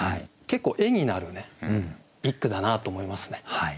結構絵になる一句だなと思いますね。